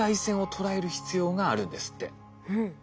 うん。